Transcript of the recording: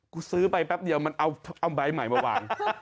ซื้อไปแป๊บเดียวมันเอาใบใหม่มาวาง